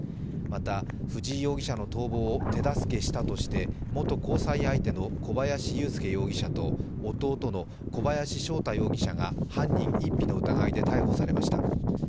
また、藤井容疑者の逃亡を手助けしたとして元交際相手の小林優介容疑者と弟の小林翔太容疑者が犯人隠避の疑いで逮捕されました。